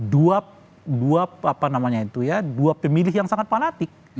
dua pemilih yang sangat fanatik